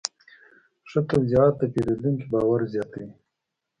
ښه توضیحات د پیرودونکي باور زیاتوي.